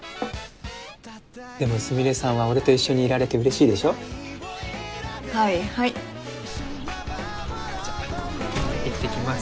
でもスミレさんは俺と一緒にいられて嬉しいでしょはいはいじゃあ行ってきます